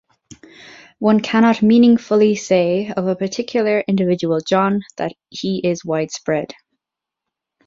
One cannot meaningfully say of a particular individual John that he is widespread.